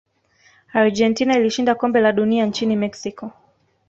argentina ilishinda kombe la dunia nchini mexico